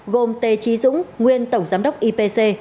gồm t trí dũng nguyên tổng giám đốc ipc